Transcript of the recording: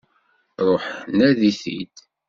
Ruḥ nadi-t-id!